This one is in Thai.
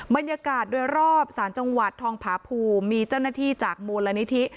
บรรยากาศโดยรอบสารจังหวัดทองผาภูมิมีเจ้าหน้าที่จากมูลนิธิ